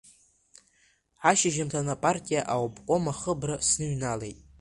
Ашьыжьымҭан апартиа Аобком ахыбра сныҩналеит.